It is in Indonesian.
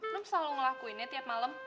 nu selalu ngelakuinnya tiap malam